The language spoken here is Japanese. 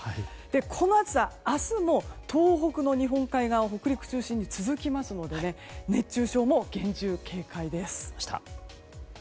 この暑さ、明日も東北の日本海側北陸中心に続きますので熱中症も厳重警戒です。